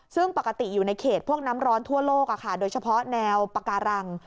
ซึ่งปกติอยู่ในเขตพวกน้ำร้อนทั่วโลกโดยเฉพาะแนวปาการัง